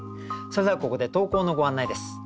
それではここで投稿のご案内です。